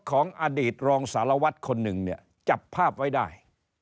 ของอดีตรองสารวัตรคนหนึ่งเนี่ยจับภาพไว้ได้